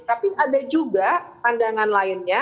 tapi ada juga pandangan lainnya